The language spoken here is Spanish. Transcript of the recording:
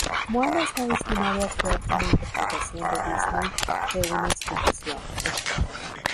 Moana está destinado a actuar como interpretación de Disney de una explicación.